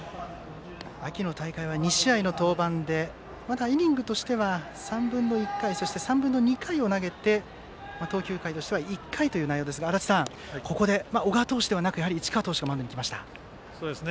秋の大会は２試合の登板でまだイニングとしては３分の１回そして３分の２回を投げて投球回としては１回という内容ですがここで小川投手ではなく市川投手がマウンドに来ました。